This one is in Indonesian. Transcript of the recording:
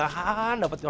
ini harus dilaporin rw nih